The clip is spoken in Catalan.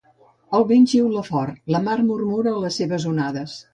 El vent xiula fort, la mar murmura a les seves onades.